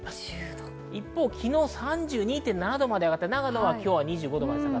一方、昨日３２．７度まで上がった長野は今日２５度です。